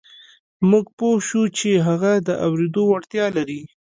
موږ پوه شوو چې هغه د اورېدو وړتيا لري.